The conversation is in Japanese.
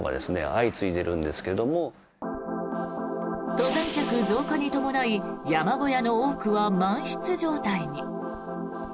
登山客増加に伴い山小屋の多くは満室状態に。